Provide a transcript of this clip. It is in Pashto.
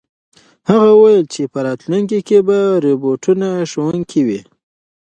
هغه وویل چې په راتلونکي کې به روبوټونه ښوونکي وي.